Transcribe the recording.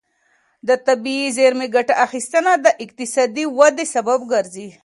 د طبیعي زېرمې ګټه اخیستنه د اقتصادي ودې سبب ګرځي.